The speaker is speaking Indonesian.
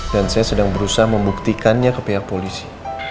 dan saya sedang berusaha membuktikannya ke pihak polisi